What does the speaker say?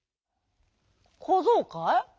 「こぞうかい？